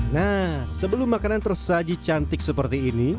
nah sebelum makanan tersaji cantik seperti ini